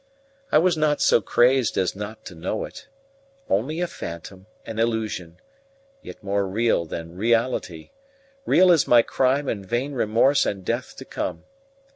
I was not so crazed as not to know it; only a phantom, an illusion, yet more real than reality real as my crime and vain remorse and death to come.